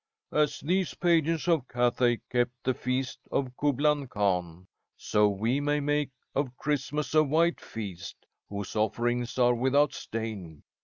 "As these pagans of Cathay kept the feast of Kublan Kahn, so we may make of Christmas a White Feast, whose offerings are without stain.